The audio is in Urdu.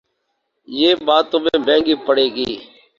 یہ بات تمہیں مہنگی پڑے گی